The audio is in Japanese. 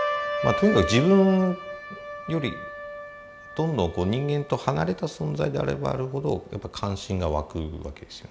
とにかく自分よりどんどん人間と離れた存在であればあるほど関心が湧くわけですよね。